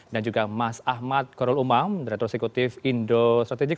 juga mas ahmad korul umam direktur eksekutif indo strategik